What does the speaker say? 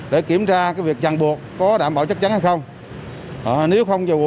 để kiểm tra cái việc chẳng buộc có đảm bảo chắc chắn hay không